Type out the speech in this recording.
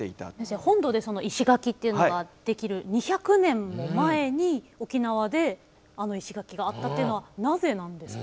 本土で石垣っていうのが出来る２００年も前に沖縄であの石垣があったというのはなぜなんですか？